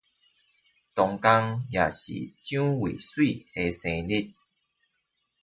當天也是蔣渭水的生日